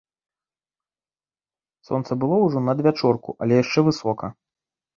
Сонца было ўжо на адвячорку, але яшчэ высока.